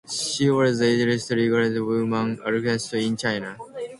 She was the earliest recorded woman alchemist in China.